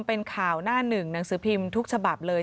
เป็นข่าวหน้าหนึ่งหนังสือพิมพ์ทุกฉบับเลย